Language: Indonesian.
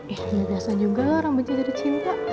eh gak biasa juga loh orang bercinta cinta